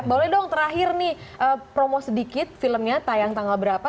boleh dong terakhir nih promo sedikit filmnya tayang tanggal berapa